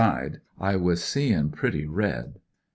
de, I was seein' prettj red.